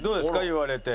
言われて。